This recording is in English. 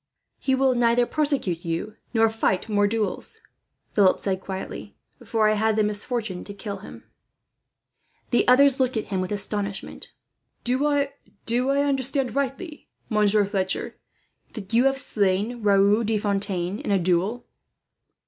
"He will neither persecute you, nor fight more duels," Philip said quietly; "for I had the misfortune to kill him." The others looked at him with astonishment. "Do I understand rightly, Monsieur Fletcher, that you have slain Raoul de Fontaine in a duel?"